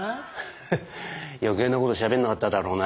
ヘッ余計なことしゃべんなかっただろうな？